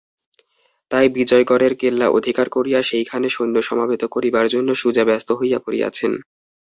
তাই বিজয়গড়ের কেল্লা অধিকার করিয়া সেইখানে সৈন্য সমবেত করিবার জন্য সুজা ব্যস্ত হইয়া পড়িয়াছেন।